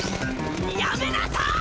やめなさーい！！